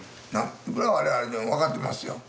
それは我々でも分かってますよ。